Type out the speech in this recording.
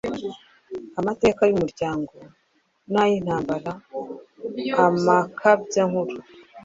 amateka y‟umuryango n‟ay‟intambara, amakabyankuru,…